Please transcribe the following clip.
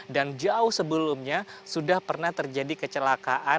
dan jauh sebelumnya sudah pernah terjadi kecelakaan